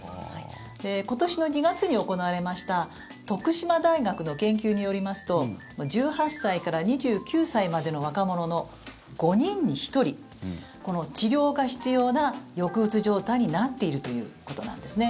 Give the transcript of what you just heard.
今年の２月に行われました徳島大学の研究によりますと１８歳から２９歳までの若者の５人に１人治療が必要な抑うつ状態になっているということなんです。